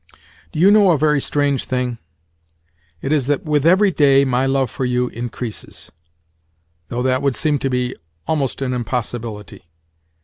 Do you know a very strange thing? It is that, with every day, my love for you increases—though that would seem to be almost an impossibility.